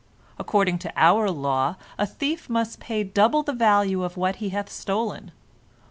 According to our law, a thief must pay double the value of what he hath stolen.